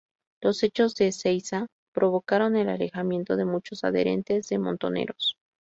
Los hechos de Ezeiza provocaron el alejamiento de muchos adherentes de Montoneros.